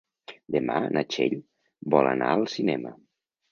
Demà na Txell vol anar al cinema.